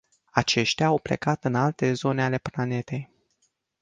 Aceștia au plecat în alte zone ale planetei.